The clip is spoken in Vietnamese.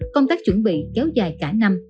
công tác chuẩn bị kéo dài cả năm